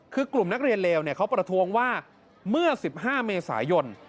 คือกลุ่มนักเรียนเลวเขาประท้วงว่าเมื่อ๑๕เมษายน